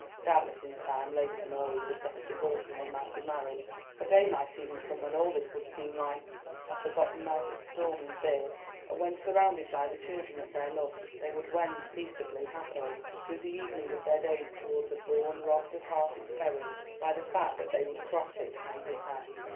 Doubtless in time Lady Honoria would get a divorce, and they might be married. A day might even come when all this would seem like a forgotten night of storm and fear; when, surrounded by the children of their love, they would wend peaceably, happily, through the evening of their days towards a bourne robbed of half its terrors by the fact that they would cross it hand in hand.